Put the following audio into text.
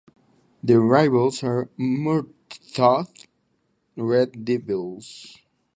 Their rivals are the Murtaugh Red Devils.